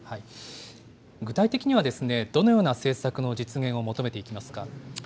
具体的には、どのような政策の実現を求めていきますか。